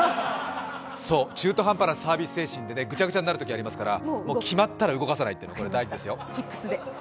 中途半端なサービス精神でぐちゃぐちゃになることがありますから決まったら動かさないというのは大事ですよ。